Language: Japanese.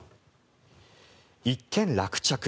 一件落着。